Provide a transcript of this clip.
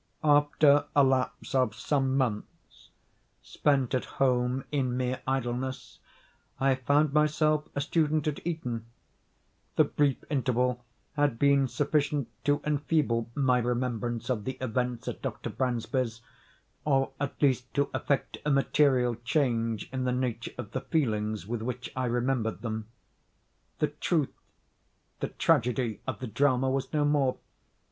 After a lapse of some months, spent at home in mere idleness, I found myself a student at Eton. The brief interval had been sufficient to enfeeble my remembrance of the events at Dr. Bransby's, or at least to effect a material change in the nature of the feelings with which I remembered them. The truth—the tragedy—of the drama was no more.